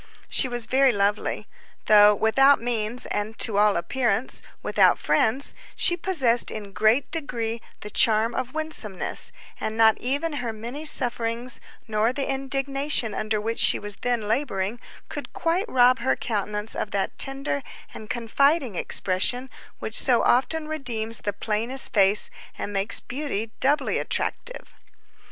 She was very lovely. Though without means, and to all appearance without friends, she possessed in great degree the charm of winsomeness, and not even her many sufferings, nor the indignation under which she was then laboring, could quite rob her countenance of that tender and confiding expression which so often redeems the plainest face and makes beauty doubly attractive.